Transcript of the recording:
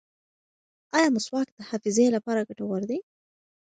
ایا مسواک د حافظې لپاره ګټور دی؟